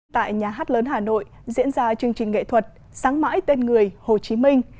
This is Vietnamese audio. tại nhà hát lớn hà nội diễn ra chương trình nghệ thuật sáng mãi tên người hồ chí minh